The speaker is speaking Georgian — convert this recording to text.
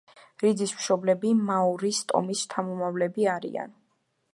რიდის მშობლები მაორის ტომის შთამომავლები არიან.